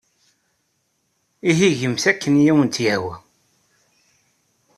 Ihi gemt akken ay awent-yehwa.